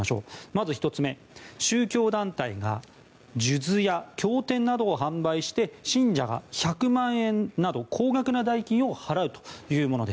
まず１つ目宗教団体が数珠や経典などを販売して信者が１００万円など高額な代金を払うというもの。